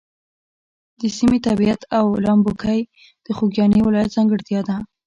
د سیمې طبیعت او لامبوګۍ د خوږیاڼي ولایت ځانګړتیا ده.